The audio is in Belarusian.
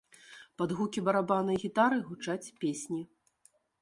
Пад гукі барабана і гітары гучаць песні.